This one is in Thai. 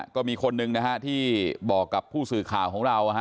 ก็มีคนหนึ่งนะฮะที่บอกกับผู้สื่อข่าวของเรา